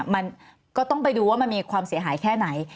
มันก็ต้องไปดูว่ามันมีความเสียหายแค่ไหน